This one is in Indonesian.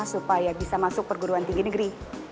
supaya bisa masuk perguruan tinggi negeri